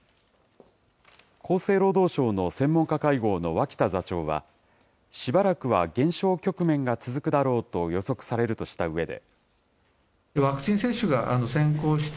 厚生労働省の専門家会合の脇田座長は、しばらくは減少局面が続くだろうと予測されるとしたうえで。